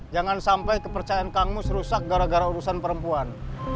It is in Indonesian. jangan sampai kepercayaan kangmus rusak gara gara urusan perempuan